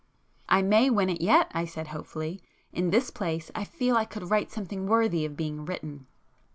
"I may win it yet!" I said hopefully—"In this place, I feel I could write something worthy of being written."